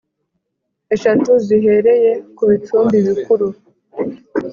eshatu zihereye ku bicumbi bikuru